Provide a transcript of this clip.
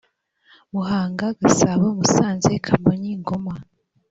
muhanga gasabo musanze kamonyi ngoma